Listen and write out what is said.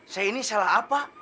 saya ini salah apa